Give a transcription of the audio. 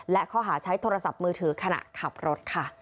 และข้อหาใช้โทรศัพท์มือถือขณะขับรถค่ะ